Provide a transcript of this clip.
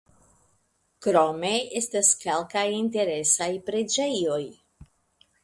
Krome estas kelkaj interesaj preĝejoj.